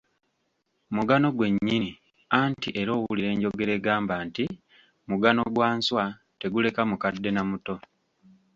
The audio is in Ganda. Mugano gwennyini anti era owulira enjogera egamba nti, "Mugano gwa nswa teguleka mukadde na muto".